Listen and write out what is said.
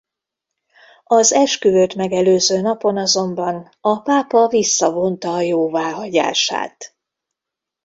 Az esküvőt megelőző napon azonban a pápa visszavonta a jóváhagyását.